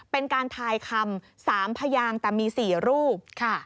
เป็นการทายคำ๓พยางแต่มี๔รูป